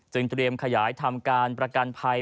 เตรียมขยายทำการประกันภัย